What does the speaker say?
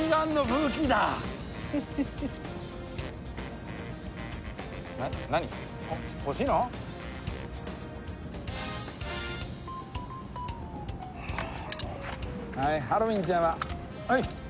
もうはいハロウィンちゃんははい！